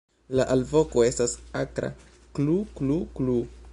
La alvoko estas akra "kluu-kluu-kluu".